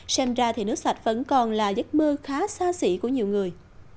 xem ra thì nước sạch vẫn còn là giấc mơ khá xa xỉ của nhiều người